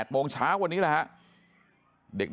๘โมงเช้าวันนี้แหละฮะ